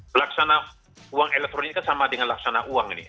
pelaksanaan uang elektronik kan sama dengan pelaksanaan uang ini